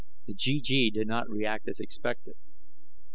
The GG did not react as expected.